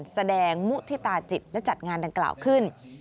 แสดงมุฒิตาจิตและจัดงานดังกล่าวขึ้น